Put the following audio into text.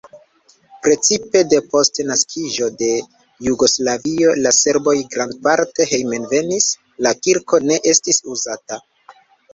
Precipe depost naskiĝo de Jugoslavio la serboj grandparte hejmenvenis, la kirko ne estis uzata.